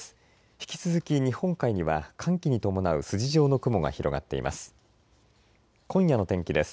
引き続き日本海には寒気に伴う筋状の雲が広がっています。